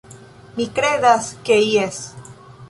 Mi kredas ke jes.